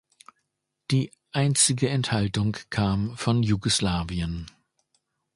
Die einzige Enthaltung kam von Jugoslawien.